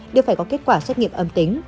đều phải có kết quả xét nghiệm âm tính